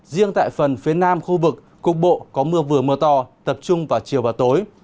riêng tại phần phía nam khu vực cục bộ có mưa vừa mưa to tập trung vào chiều và tối